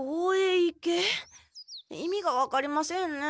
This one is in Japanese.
意味が分かりませんね。